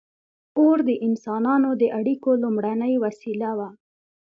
• اور د انسانانو د اړیکو لومړنۍ وسیله وه.